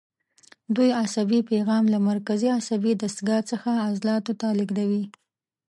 دوی عصبي پیغام له مرکزي عصبي دستګاه څخه عضلاتو ته لېږدوي.